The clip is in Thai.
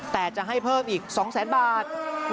แต่จะให้เพิ่มอีก๒แสนบาท